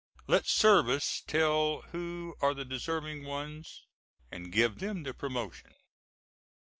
Let service tell who are the deserving ones and give them the promotion.